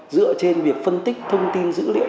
dựa trên việc phân tích thông tin dữ liệu